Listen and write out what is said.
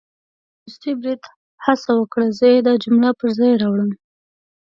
تر ورستي بریده هڅه وکړه، زه يې دا جمله پر ځای راوړم